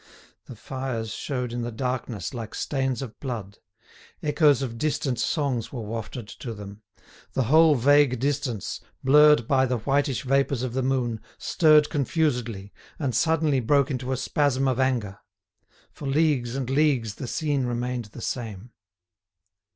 The fires showed in the darkness like stains of blood; echoes of distant songs were wafted to them; the whole vague distance, blurred by the whitish vapours of the moon, stirred confusedly, and suddenly broke into a spasm of anger. For leagues and leagues the scene remained the same.